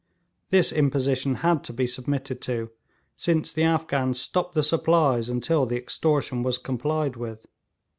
This imposition had to be submitted to, since the Afghans stopped the supplies until the extortion was complied with.